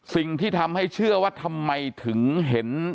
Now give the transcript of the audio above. สิ่งที่ทำให้เชื่อว่าทำไมถึงเห็น